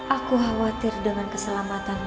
aku khawatir dengan keselamatanmu